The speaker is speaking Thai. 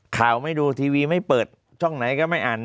ข่าวไม่ดูทีวีไม่เปิดช่องไหนก็ไม่อ่าน